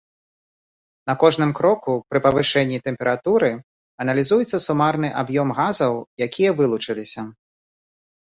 На кожным кроку пры павышэнні тэмпературы аналізуецца сумарны аб'ём газаў, якія вылучыліся.